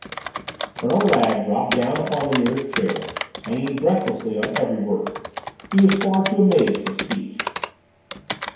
Colonel Wragge dropped down upon the nearest chair, hanging breathlessly on every word. He was far too amazed for speech.